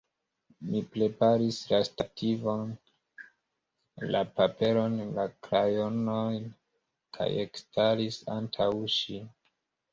Mi preparis la stativon, la paperon, la krajonojn kaj ekstaris antaŭ ŝi.